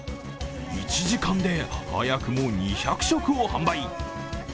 １時間で早くも２００食を販売。